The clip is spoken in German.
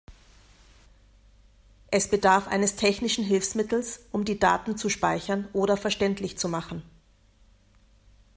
Es bedarf eines technischen Hilfsmittels, um die Daten zu speichern oder verständlich zu machen.